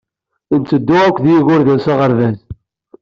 Ntteddu ed yigerdan s aɣerbaz.